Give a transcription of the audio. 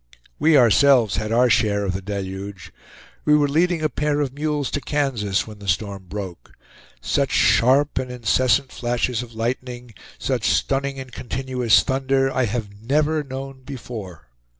We ourselves had our share of the deluge. We were leading a pair of mules to Kansas when the storm broke. Such sharp and incessant flashes of lightning, such stunning and continuous thunder, I have never known before.